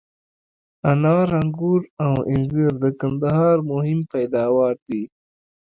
انار، آنګور او انځر د کندهار مهم پیداوار دي.